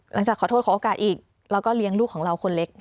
ขอโทษขอโอกาสอีกเราก็เลี้ยงลูกของเราคนเล็ก